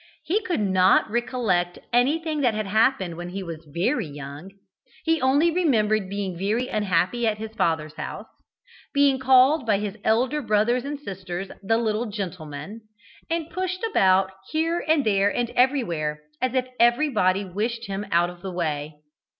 He could not recollect anything that had happened when he was very young. He only remembered being very unhappy at his father's house, being called by his elder brothers and sisters "the little gentleman," and pushed about here and there and everywhere, as if everybody wished him out of the way.